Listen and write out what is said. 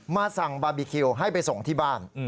มาสั่งบาร์บีคิวให้ไปส่งที่บ้าน